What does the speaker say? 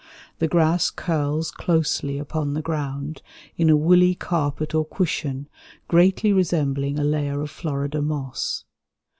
The grass curls closely upon the ground, in a woolly carpet or cushion, greatly resembling a layer of Florida moss.